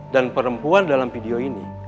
dan perempuan dalam video ini